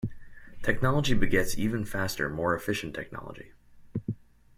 Technology begets even faster more efficient technology.